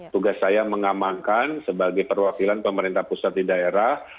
tugas saya mengamankan sebagai perwakilan pemerintah pusat di daerah